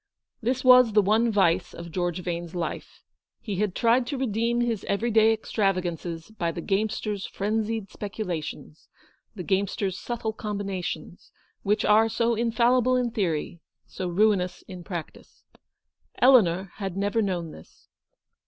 This was the one vice of George Vane's life. He had tried to redeem his every day extravagances LOOKING TO THE FUTURE. 175 by the gamester's frenzied speculations, the game ster's subtle combinations ; which are so infallible in theory, so ruinous in practice. Eleanor had never known this.